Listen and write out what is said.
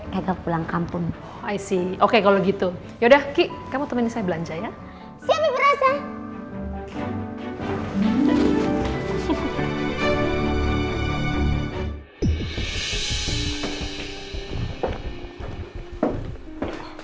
kagak pulang kampung aisyah oke kalau gitu yaudah ki kamu temen saya belanja ya siap berasa